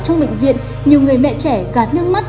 trong bệnh viện nhiều người mẹ trẻ gạt nước mắt